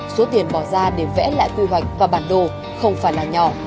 số tiền bỏ ra để vẽ lại quy hoạch và bản đồ không phải là nhỏ